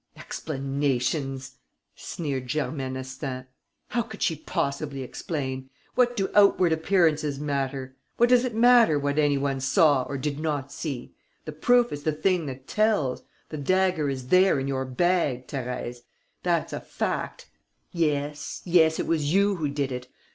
"Explanations!" sneered Germaine Astaing. "How could she possibly explain? What do outward appearances matter? What does it matter what any one saw or did not see? The proof is the thing that tells.... The dagger is there, in your bag, Thérèse: that's a fact.... Yes, yes, it was you who did it!